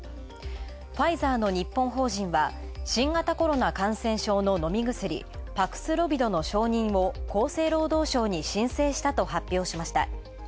ファイザーの日本法人は新型コロナ感染症の飲み薬、パクスロビドの承認を厚生労働省に申請したと発表しました。